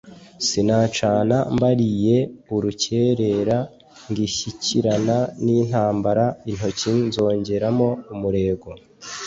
Sinacana mbaliye urukerera ngishyikirana n’intambara intoki nzongeramo umurego,